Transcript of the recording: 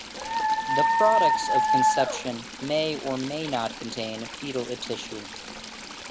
The products of conception may or may not contain fetal tissue.